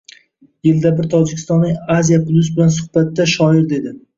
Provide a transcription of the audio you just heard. Yilda bir Tojikistonning Asia Plus bilan suhbatda, shoir dedi: